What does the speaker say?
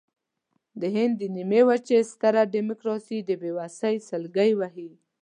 د هند د نیمې وچې ستره ډیموکراسي د بېوسۍ سلګۍ وهي.